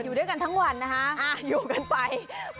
อยู่ด้วยกันทั้งวันนะคะอยู่กันไป